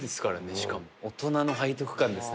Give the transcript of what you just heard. しかも大人の背徳感ですね